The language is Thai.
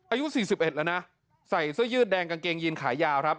อายุ๔๑แล้วนะใส่เสื้อยืดแดงกางเกงยีนขายาวครับ